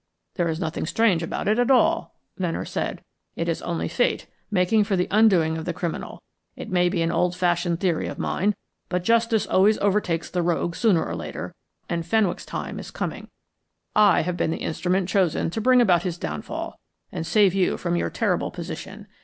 "There is nothing strange about it at all," Venner said. "It is only Fate making for the undoing of the criminal. It may be an old fashioned theory of mine, but justice always overtakes the rogue sooner or later, and Fenwick's time is coming. I have been the instrument chosen to bring about his downfall, and save you from your terrible position.